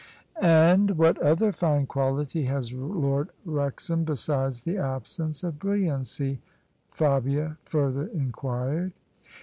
* And what other fine quality has Lord Wrexham besides the absence of brilliancy?" Fabia further inquired.